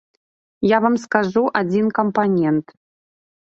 Я вам скажу адзін кампанент.